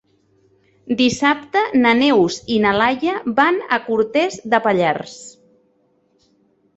Dissabte na Neus i na Laia van a Cortes de Pallars.